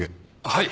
はい。